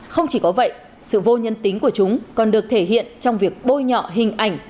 không chỉ có vậy sự vô nhân tính của chúng còn được thể hiện trong việc bôi nhọ hình ảnh